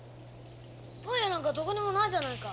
パン屋なんかどこにもないじゃないか。